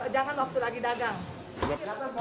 jangan waktu lagi dagang